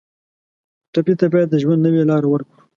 ټپي ته باید د ژوند نوې لاره ورکړو.